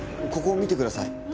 ここ見てください。